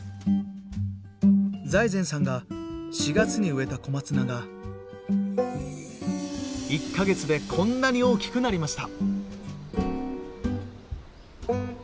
財前さんが４月に植えた小松菜が１か月でこんなに大きくなりました。